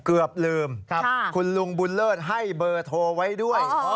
เกือบลืมคุณลุงบุญเลิศให้เบอร์โทรไว้ด้วย